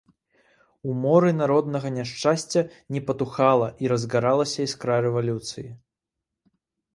У моры народнага няшчасця не патухала і разгаралася іскра рэвалюцыі.